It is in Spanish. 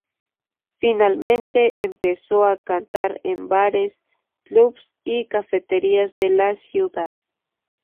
Finalmente empezó a cantar en bares, clubs y cafeterías de la ciudad.